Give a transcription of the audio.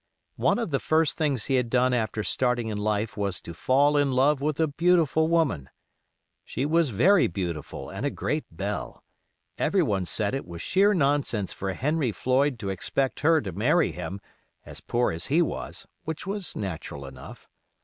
One of the first things he had done after starting in life was to fall in love with a beautiful woman. She was very beautiful and a great belle. Every one said it was sheer nonsense for Henry Floyd to expect her to marry him, as poor as he was, which was natural enough.